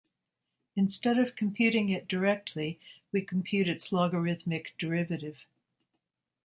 Instead of computing it directly, we compute its logarithmic derivative.